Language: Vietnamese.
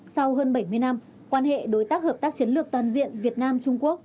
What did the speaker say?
sau hơn bảy mươi năm quan hệ đối tác hợp tác chiến lược toàn diện việt nam trung quốc